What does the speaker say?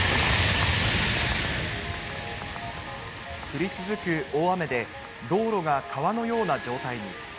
降り続く大雨で、道路が川のような状態に。